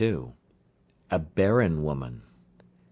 A barren woman. 33.